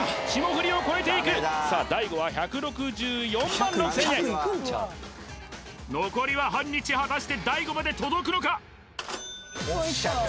霜降りを超えていくさあ大悟は１６４万６０００円残りは半日果たして大悟まで届くのか？